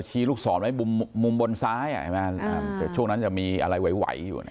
ชี้ลูกศอดไว้มุมบนซ้ายอ่ะช่วงนั้นจะมีไวอยู่